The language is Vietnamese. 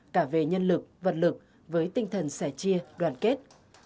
cả về nhân lực vật lực với tinh thần sẻ chia đoàn kết